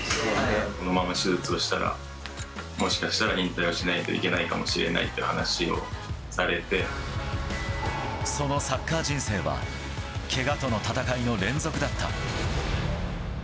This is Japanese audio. このまま手術をしたら、もしかしたら引退をしないといけないかもしれないという話をされそのサッカー人生は、けがとの闘いの連続だった。